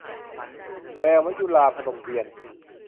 แววมยุรา - พนมเทียน